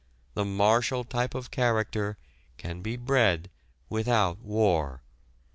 The martial type of character can be bred without war."